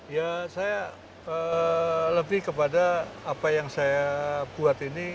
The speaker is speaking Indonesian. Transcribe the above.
ya saya lebih kepada apa yang saya buat ini